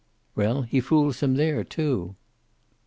"Well, he fools them there, too."